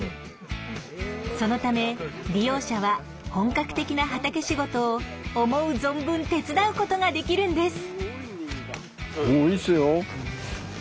そのため利用者は本格的な畑仕事を思う存分手伝うことができるんです。